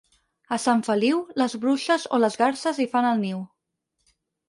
A Sant Feliu, les bruixes o les garses hi fan el niu.